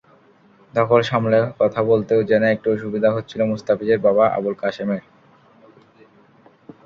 ধকল সামলে কথা বলতেও যেন একটু অসুবিধা হচ্ছিল মুস্তাফিজের বাবা আবুল কাশেমের।